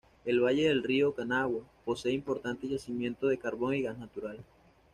El valle del río Kanawha posee importantes yacimientos de carbón y gas natural.